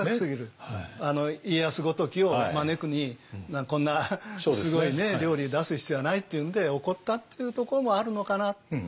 家康ごときを招くにこんなすごい料理出す必要はないっていうんで怒ったっていうところもあるのかな。